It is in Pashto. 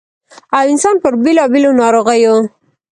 ٫ او انسـان پـر بېـلابېـلو نـاروغـيو